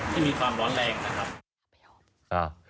ที่มีความร้อนแรงนะครับ